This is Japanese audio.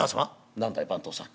「何だい番頭さん」。